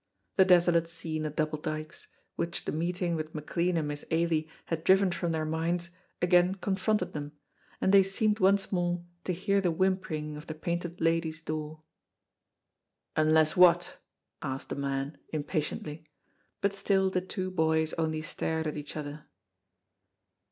The desolate scene at Double Dykes, which the meeting with McLean and Miss Ailie had driven from their minds, again confronted them, and they seemed once more to hear the whimpering of the Painted Lady's door. "Unless what?" asked the man, impatiently, but still the two boys only stared at each other.